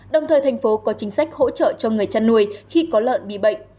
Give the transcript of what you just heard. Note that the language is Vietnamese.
đồng thời thành phố có chính sách hỗ trợ cho người chăn nuôi khi có lợn bị bệnh